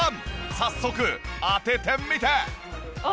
早速当ててみて。